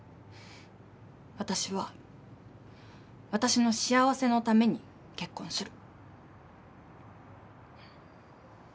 私は私の幸せのために結婚する。